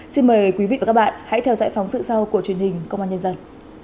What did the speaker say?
xin mời quý vị và các bạn hãy theo dõi phóng sự sau của truyền hình công an nhân dân